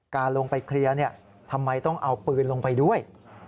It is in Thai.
การลงไปเคลียร์ทำไมต้องเอาปืนลงไปด้วย